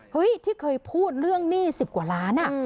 ที่เคยพูดเรื่องหนี้๑๐กว่าล้าน